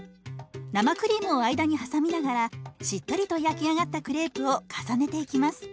生クリームを間に挟みながらしっとりと焼き上がったクレープを重ねていきます。